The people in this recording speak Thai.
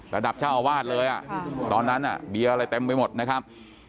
ระดับเจ้าอาวาสเลยตอนนั้นเบียร์อะไรเต็มไปหมดนะครับ